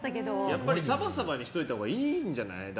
やっぱりサバサバにしたほうがいいんじゃない？